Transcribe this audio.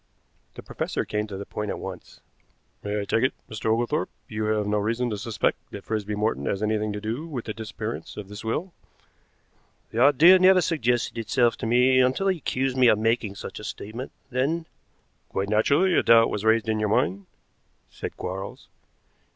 The professor came to the point at once. "May I take it, Mr. Oglethorpe, you have no reason to suspect that Frisby Morton has had anything to do with the disappearance of this will?" "The idea never suggested itself to me until he accused me of making such a statement, then " "Quite naturally a doubt was raised in your mind," said Quarles.